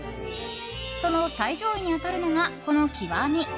その最上位に当たるのがこの、極。